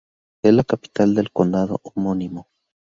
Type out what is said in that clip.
Es la capital del condado homónimo.